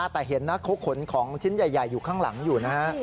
แต่เห็นหน้าเคราะห์ขนของชิ้นใหญ่อยู่ข้างหลังอยู่